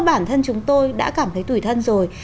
bản thân chúng tôi đã cảm thấy tủi thân rồi